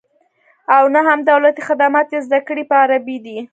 او نه هم دولتي خدمات یې زده کړې په عربي دي